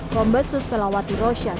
kombesus melawati rosia